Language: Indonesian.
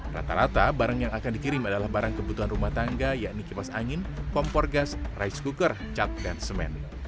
rata rata barang yang akan dikirim adalah barang kebutuhan rumah tangga yakni kipas angin kompor gas rice cooker cat dan semen